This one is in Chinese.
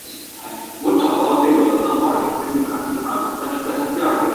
圣日尔曼朗戈。